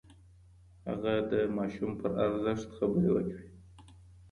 هغه د ماشوم پر ارزښت خبرې وکړې.